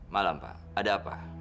malam pak ada apa